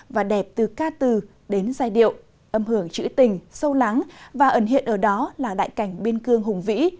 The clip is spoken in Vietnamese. và đẹp từ ca từ đến giai điệu âm hưởng trữ tình sâu lắng và ẩn hiện ở đó là đại cảnh biên cương hùng vĩ